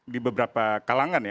di beberapa kalangan ya